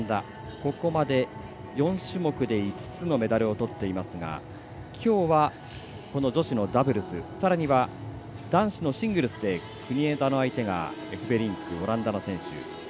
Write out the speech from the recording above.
ここまで４種目で５つのメダルをとっていますがきょうはこの女子のダブルスさらには男子のシングルスで国枝の相手がエフベリンク、オランダの選手。